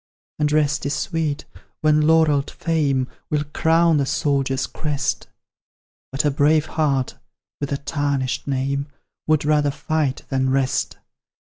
"And rest is sweet, when laurelled fame Will crown the soldier's crest; But a brave heart, with a tarnished name, Would rather fight than rest.